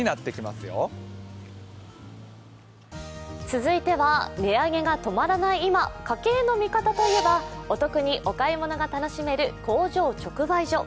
続いては値上げが止まらない今、家計の味方といえばお得にお買い物が楽しめる工場直売所。